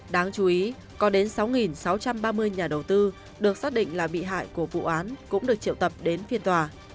đáng chú ý có đến sáu sáu trăm ba mươi nhà đầu tư được xác định là bị hại của vụ án cũng được triệu tập đến phiên tòa